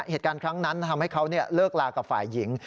เหตุการณ์ครั้งนั้นทำให้เขาเลิกลากับฝ่ายหญิง